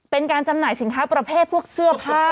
ราคาสินค้าไหนสินค้าประเภทพวกเสื้อผ้า